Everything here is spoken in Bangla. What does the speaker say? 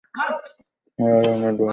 এয়ার ইউনিট, ভাগ হয়ে যাও।